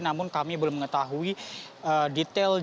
namun kami belum mengetahui detailnya